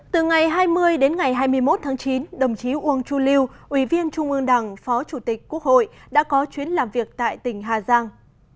từ ngày hai mươi đến ngày hai mươi một tháng chín đồng chí uông chu lưu ủy viên trung ương đảng phó chủ tịch quốc hội đã có chuyến làm việc tại tỉnh hà giang